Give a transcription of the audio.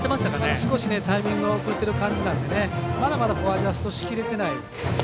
少しタイミングが遅れてる感じなんでまだまだアジャストできてない。